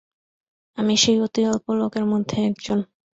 আমি সেই অতি অল্প লোকের মধ্যে একজন।